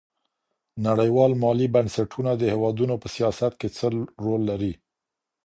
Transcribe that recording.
نړيوال مالي بنسټونه د هېوادونو په سياست کي څه رول لري؟